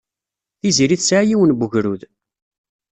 Tiziri tesɛa yiwen n wegrud.